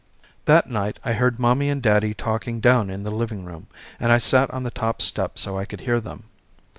That night I heard mommy and daddy talking down in the living room and I sat on the top step so I could hear them.